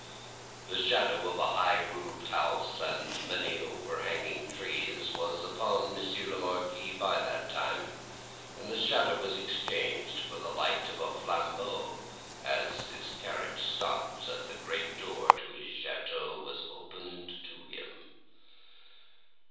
The shadow of a large high roofed house, and of many over hanging trees, was upon Monsieur the Marquis by that time; and the shadow was exchanged for the light of a flambeau, as his carriage stopped, and the great door of his chateau was opened to him.